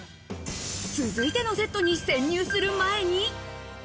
続いてのセットに潜入する前に。